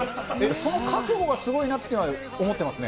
その覚悟がすごいなっていうのは思ってますね。